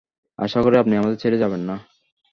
আশা করি আপনি আমাদের ছেড়ে যাবেন না।